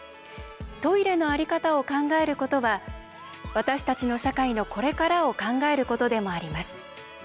トイレの在り方を考えることは私たちの社会のこれからを考えることでもあります。